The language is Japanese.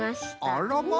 あらま！